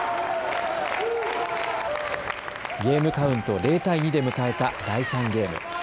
ゲームカウント０対２で迎えた第３ゲーム。